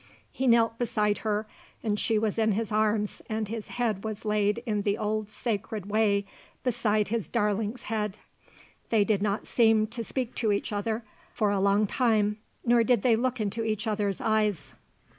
He knelt beside her and she was in his arms and his head was laid in the old sacred way beside his darling's head. They did not seem to speak to each other for a long time nor did they look into each other's eyes.